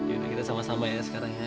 yaudah kita sama sama ya sekarang ya